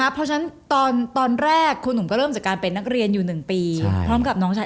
เพราะฉะนั้นตอนแรกคุณหนุ่มก็เริ่มจากการเป็นนักเรียนอยู่๑ปีพร้อมกับน้องชาย